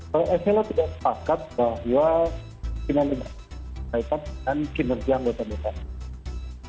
kalau evelo tidak sepakat bahwa kinerja negatif dan kinerja anggota dewan